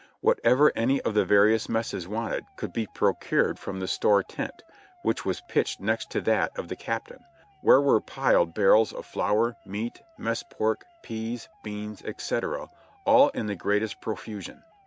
Whatever any of the various messes wanted could be procured from the store tent, which was pitched next to that of the captain, where were piled barrels of flour, meat, mess pork, peas, beans, &c., all in the greatest pro fusion.